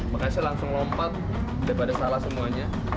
makasih langsung lompat daripada salah semuanya